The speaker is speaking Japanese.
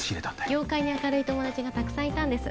業界に明るい友達がたくさんいたんです